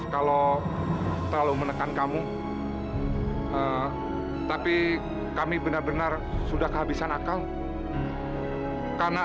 kamu tuh yang mau bener bener gila ya